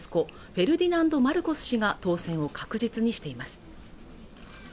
フェルディナンド・マルコス氏が当選を確実にしています